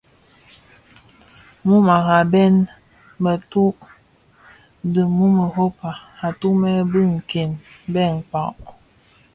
Muu araben, muturk dhi muu Europa atumè bi nke bè nkpag.